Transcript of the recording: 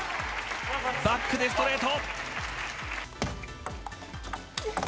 バックでストレート！